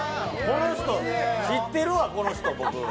知ってるわ、この人、僕。